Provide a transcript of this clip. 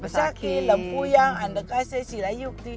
besarki lempuyang andekase silayukti